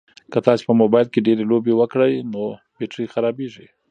که تاسي په موبایل کې ډېرې لوبې وکړئ نو بېټرۍ خرابیږي.